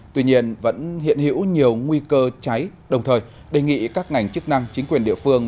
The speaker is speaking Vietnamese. tuy nhiên vẫn hiện hữu nhiều nguy cơ cháy đồng thời đề nghị các ngành chức năng chính quyền địa phương